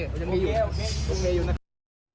โอเคโอเค